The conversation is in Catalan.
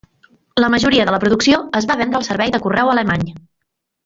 La majoria de la producció es va vendre al servei de correu alemany.